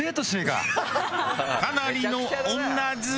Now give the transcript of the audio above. かなりの女好き。